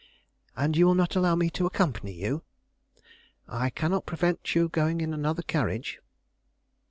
"And you will not allow me to accompany you?" "I cannot prevent your going in another carriage."